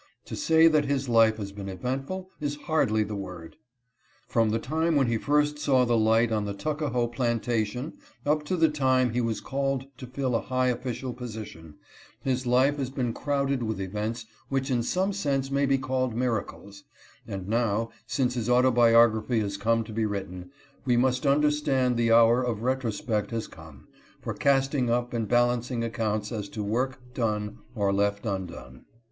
To say that his life has been eventful, is hardly the word. From the time when he first saw the light on the Tuckahoe plantation up to the time he was called to fill a high official position, his life has been crowded with events which in some sense may be called mira ' cles, and now since his autobiography has come to be written, we must understand the hour of retrospect has come — for casting up and balancing accounts as to work done or left undone.